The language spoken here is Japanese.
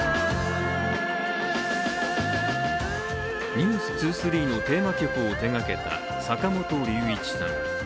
「ＮＥＷＳ２３」のテーマ曲を手がけた坂本龍一さん。